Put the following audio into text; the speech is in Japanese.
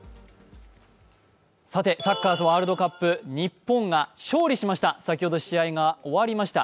サッカーワールドカップ日本が勝利しました。